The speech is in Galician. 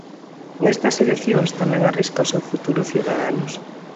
Nestas eleccións tamén arrisca o seu futuro Ciudadanos...